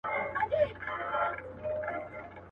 په عذاب رانه د كلي سودخوران دي.